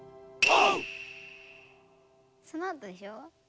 そのあとでしょ。